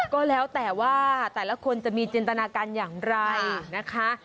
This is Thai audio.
ก็แล้วแต่ว่าแต่ละคนจะมีจินตนาการอย่างไรนะคะ